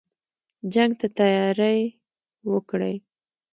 جنګ ته تیاری وکړی.